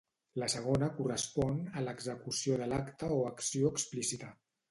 La segona correspon a l'execució de l'acte o acció explícita.